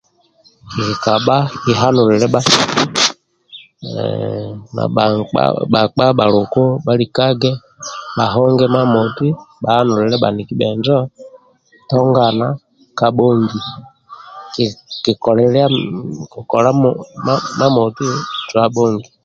Nikabha kihanulile bha haa na bhankpa bhakpa bhaluku bhalikage bhahonge mamoti bhahanulile bhaniki bhenjo tongana kabhongin ki kikola mamoti kabhongi